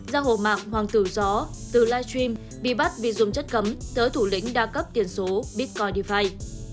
giang hồ mạng hoàng tử gió từ livestream bị bắt vì dùng chất cấm tới thủ lĩnh đa cấp tiền số bitcoin defi